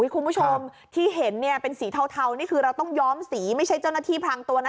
คุณผู้ชมที่เห็นเนี่ยเป็นสีเทานี่คือเราต้องย้อมสีไม่ใช่เจ้าหน้าที่พลังตัวนะ